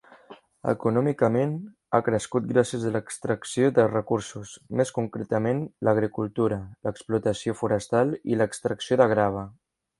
Econòmicament, ha crescut gràcies a l'extracció de recursos, més concretament l'agricultura, l'explotació forestal i l'extracció de grava.